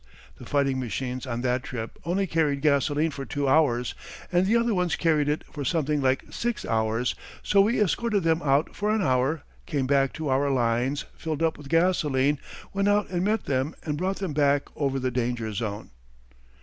The fighting machines on that trip only carried gasolene for two hours, and the other ones carried it for something like six hours, so we escorted them out for an hour, came back to our lines, filled up with gasolene, went out and met them and brought them back over the danger zone.